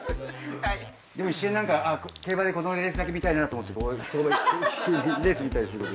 でも一瞬なんか競馬でこのレースだけ見たいなと思ってそこでレース見たりする。